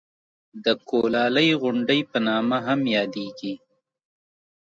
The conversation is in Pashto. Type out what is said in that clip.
د کولالۍ غونډۍ په نامه هم یادېږي.